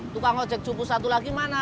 tukang ojek jupus satu lagi mana